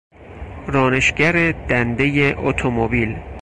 رانشگر دندهی اتومبیل